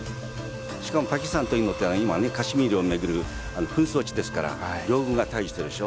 しかもパキスタンとインドってのは今ねカシミールを巡る紛争地ですから両軍が対じしてるでしょ。